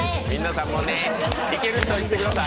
いける人はいってください。